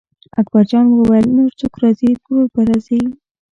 اکبرجان وویل نور څوک راځي ترور به راځي.